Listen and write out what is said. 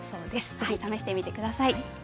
ぜひ試してみてください。